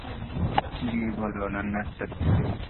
গিয়ে বলো উনার নাস্তা তৈরি।